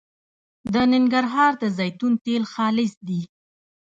د ننګرهار د زیتون تېل خالص دي